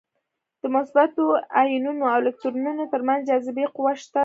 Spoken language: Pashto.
د مثبتو ایونونو او الکترونونو تر منځ جاذبې قوه شته ده.